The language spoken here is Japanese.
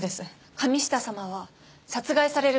神下様は殺害される